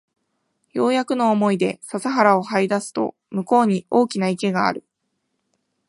ようやくの思いで笹原を這い出すと向こうに大きな池がある